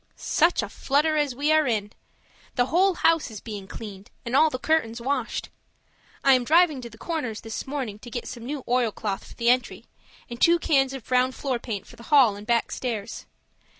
Such a flutter as we are in! The whole house is being cleaned and all the curtains washed. I am driving to the Corners this morning to get some new oilcloth for the entry, and two cans of brown floor paint for the hall and back stairs.